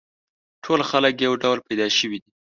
ټول خلک یو ډول پیدا شوي دي.